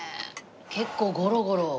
結構ゴロゴロ。